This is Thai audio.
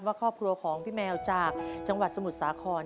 ครอบครัวของพี่แมวจากจังหวัดสมุทรสาคร